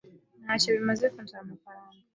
Ntacyo bimaze kunsaba amafaranga.